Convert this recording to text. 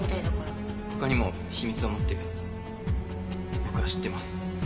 他にも秘密を持ってる奴を僕は知ってます。